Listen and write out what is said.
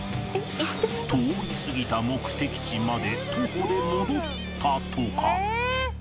通り過ぎた目的地まで徒歩で戻ったとか。